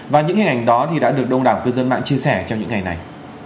và những hình ảnh đó đã được đông đảo cư dân mạng chia sẻ trong những ngày này